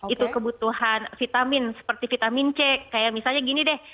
itu kebutuhan vitamin seperti vitamin c kayak misalnya gini deh